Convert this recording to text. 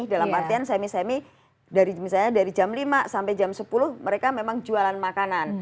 dalam artian semi semi dari misalnya dari jam lima sampai jam sepuluh mereka memang jualan makanan